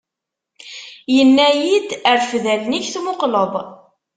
Inna-yi-d: Rfed allen-ik tmuqleḍ!